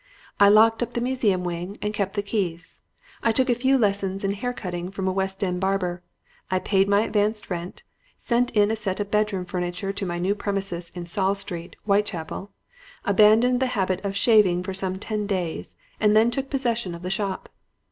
I locked up the museum wing and kept the keys. I took a few lessons in haircutting from a West End barber. I paid my advance rent, sent in a set of bedroom furniture to my new premises in Saul Street, Whitechapel, abandoned the habit of shaving for some ten days, and then took possession of the shop.